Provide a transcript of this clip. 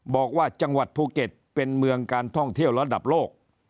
บอกว่าจังหวัดภูเก็ตเป็นเมืองการท่องเที่ยวระดับโลก